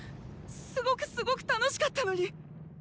すごくすごく楽しかったのに！